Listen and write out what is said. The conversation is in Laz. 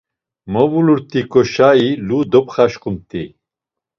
Movulut̆iǩoşai lu dopxaşǩumt̆i.